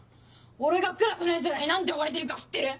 俺がクラスのヤツらに何て呼ばれてるか知ってる？